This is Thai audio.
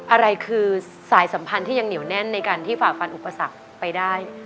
อะไรคือสายสัมพันธ์ที่ยังเหนียวแน่นในการที่ฝ่าฟันอุปสรรคไปได้